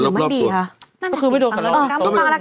ดีหรือไม่ดีค่ะก็คือไม่โดนกับเอ่อ